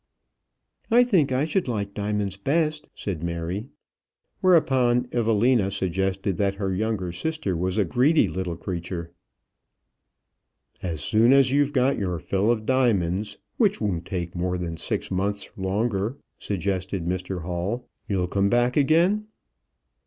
"I think I should like diamonds best," said Mary. Whereupon Evelina suggested that her younger sister was a greedy little creature. "As soon as you've got your fill of diamonds, which won't take more than six months longer," suggested Mr Hall, "you'll come back again?"